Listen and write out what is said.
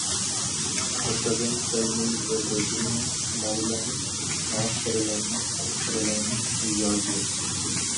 The Southern Colonies were Virginia, Maryland, North Carolina, South Carolina, and Georgia.